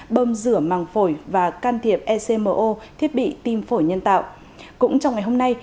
bơm rửa màng phổi và can thiệp ecmo thiết bị tim phổi nhân tạo cũng trong ngày hôm nay